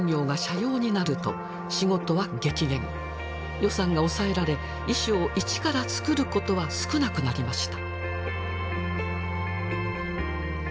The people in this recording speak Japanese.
予算が抑えられ衣装を一から作ることは少なくなりました。